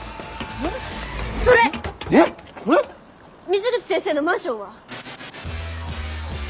水口先生のマンションは？